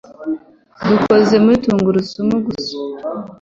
dukoze muri tungurusumu gusa